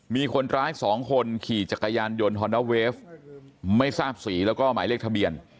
มีคนร้ายสองคนขี่จักรยานยนต์ฮอนด้าเวฟไม่ทราบสีแล้วก็หมายเลขทะเบียน